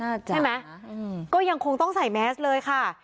น่าจะใช่ไหมอืมก็ยังคงต้องใส่แมสต์เลยค่ะ